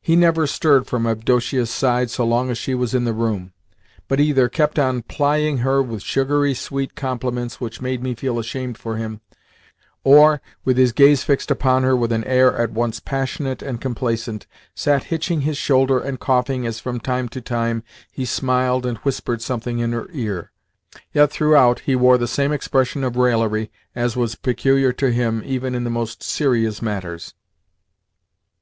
He never stirred from Avdotia's side so long as she was in the room, but either kept on plying her with sugary sweet compliments which made me feel ashamed for him or, with his gaze fixed upon her with an air at once passionate and complacent, sat hitching his shoulder and coughing as from time to time he smiled and whispered something in her ear. Yet throughout he wore the same expression of raillery as was peculiar to him even in the most serious matters.